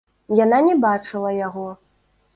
Яна не бачыла яго.